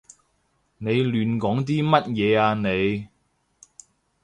你亂講啲乜嘢啊你？